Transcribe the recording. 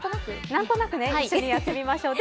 何となく一緒にやってみましょう。